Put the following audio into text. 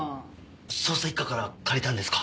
捜査一課から借りたんですか？